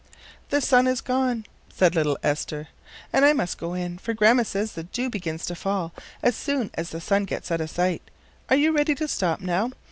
"The sun has gone," said little Esther, "and I must go in, for Grandma says the dew begins to fall as soon as the sun gets out of sight. Are you ready to stop now?